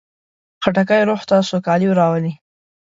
خټکی روح ته سوکالي راولي.